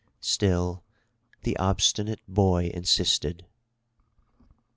Still the obstinate boy insisted.